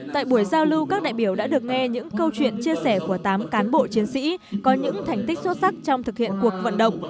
tại buổi giao lưu các đại biểu đã được nghe những câu chuyện chia sẻ của tám cán bộ chiến sĩ có những thành tích xuất sắc trong thực hiện cuộc vận động